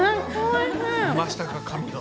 いましたか神が。